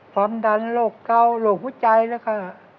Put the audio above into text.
ความดันโรคเกาโรคหัวใจแล้วค่ะ